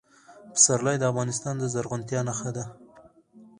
پسرلی د افغانستان د زرغونتیا نښه ده.